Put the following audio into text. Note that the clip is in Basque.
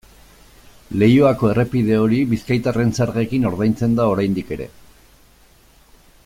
Leioako errepide hori bizkaitarren zergekin ordaintzen da, oraindik ere.